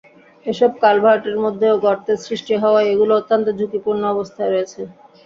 এসব কালভার্টের মধ্যেও গর্তের সৃষ্টি হওয়ায় এগুলো অত্যন্ত ঝুঁকিপূর্ণ অবস্থায় রয়েছে।